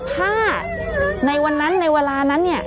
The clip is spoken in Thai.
ถ้าในวันนั้นในเวลานั้นเนี่ย